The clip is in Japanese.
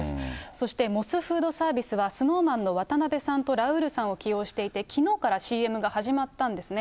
そしてモスフードサービスは、ＳｎｏｗＭａｎの渡辺さんとラウールさんを起用していて、きのうからＣＭが始まったんですね。